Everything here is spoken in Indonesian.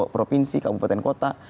provinsi kabupaten kota